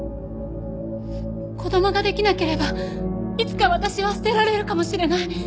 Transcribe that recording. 子供ができなければいつか私は捨てられるかもしれない。